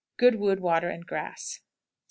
Good wood, water, and grass. 17 2/5.